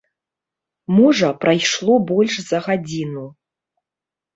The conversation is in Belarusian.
Можа, прайшло больш за гадзіну.